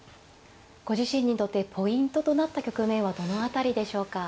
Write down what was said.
ご自身にとってポイントとなった局面はどの辺りでしょうか。